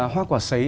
hoa quả sấy